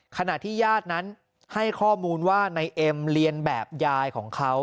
ขณะที่ญาตินั้นให้ข้อมูลว่านายเอ็มเรียนแบบยายของเขา